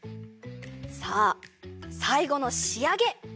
さあさいごのしあげ！